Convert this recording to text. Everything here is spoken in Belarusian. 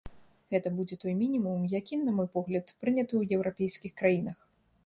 Гэта будзе той мінімум, які, на мой погляд, прыняты ў еўрапейскіх краінах.